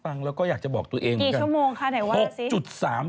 ฟังแล้วก็อยากจะบอกตัวเองกี่ชั่วโมงคะไหนว่า